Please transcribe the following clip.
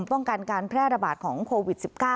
ป้องกันการแพร่ระบาดของโควิด๑๙